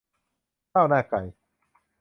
ข้าวหน้าไก่